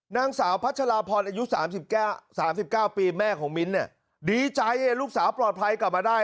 นางสาวพัชราพรอายุ๓๙ปีแม่ของมิ้นดีใจลูกสาวปลอดภัยกลับมาได้